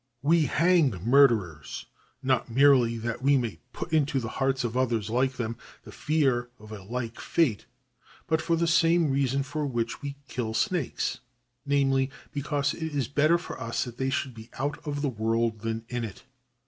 We hang murderers not merely that we may put into the hearts of others like them the fear of a like fate, but for the same reason for which we kill snakes, namely, because it is better for us that they should be out of the world than in it.